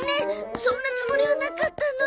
そんなつもりはなかったのに。